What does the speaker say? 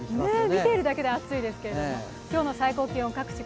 見ているだけで暑いですけれども、今日の最高気温、各地